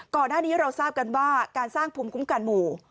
ก่อนหน้านี้เราทราบกันว่าการสร้างภูมิคุ้มกันหมู่